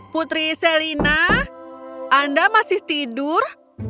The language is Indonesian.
putri selina anda masih tidur